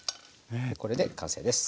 これで完成です。